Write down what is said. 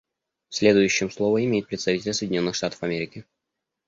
Следующим слово имеет представитель Соединенных Штатов Америки.